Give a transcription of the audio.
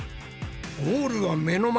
ゴールは目の前！